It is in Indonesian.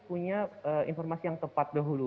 punya informasi yang tepat dahulu